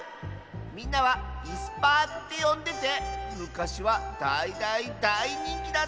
みんなは「いすパー」ってよんでてむかしはだいだいだいにんきだったんだ。